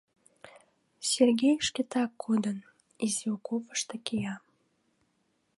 Сергей шкетак кодын, изи окопышто кия.